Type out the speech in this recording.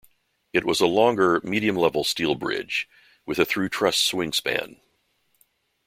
It was a longer, medium-level steel bridge with a through truss swing span.